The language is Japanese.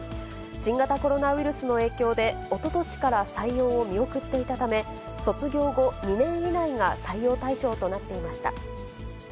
新型コロナウイルスの影響でおととしから採用を見送っていたため、卒業後、２年以内が採用対象となっていました。